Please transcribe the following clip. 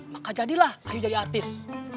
maka jadilah ayo jadi artis